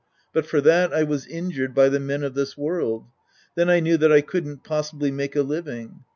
But for that I was injured by the men of this world. Then I knew that I couldn't possibly make a living.